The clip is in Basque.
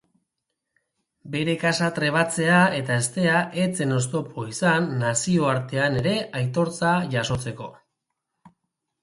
Bere kasa trebatzea eta heztea ez zen oztopo izan nazioartean ere aitortza jasotzeko.